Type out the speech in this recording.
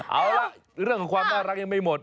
เอาล่ะเรื่องของความน่ารักยังไม่หมด